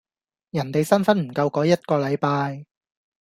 人哋新婚唔夠嗰一個禮拜